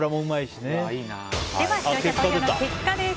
視聴者投票の結果です。